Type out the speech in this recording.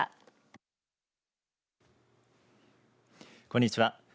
こんにちは。